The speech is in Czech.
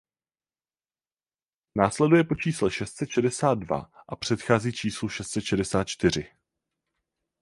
Následuje po čísle šest set šedesát dva a předchází číslu šest set šedesát čtyři.